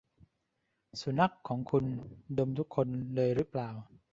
สุนัขของคุณดมทุกคนเลยรึเปล่า ?